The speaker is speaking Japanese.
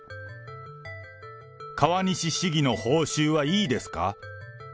川西市議の報酬はいいですか。